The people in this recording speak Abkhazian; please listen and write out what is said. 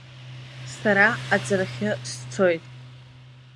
Сара аҵарахьы сцоит!